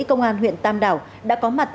công an huyện tam đảo đã có mặt